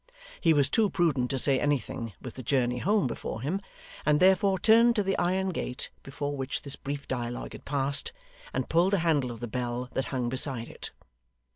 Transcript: He was too prudent to say anything, with the journey home before him; and therefore turned to the iron gate before which this brief dialogue had passed, and pulled the handle of the bell that hung beside it.